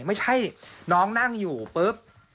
ไม่ใช่น้องนั่งอยู่ปุ๊บ